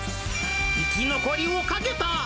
生き残りをかけた！